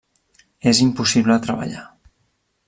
És impossible treballar.